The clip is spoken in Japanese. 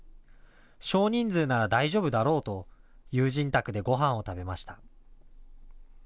少人数なら大丈夫だろうと友人宅でごはんを食べました。